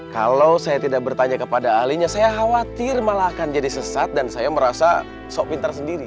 kalau saya tidak bertanya kepada ahlinya saya khawatir malah akan jadi sesat dan saya merasa sok pintar sendiri